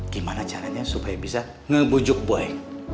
gimana caranya supaya bisa ngebujuk buaya